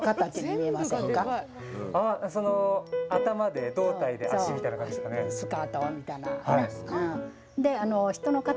頭で、胴体で足みたいな感じですかね？